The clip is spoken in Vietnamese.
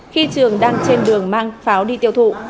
trường đang trên đường mang pháo đi tiêu thụ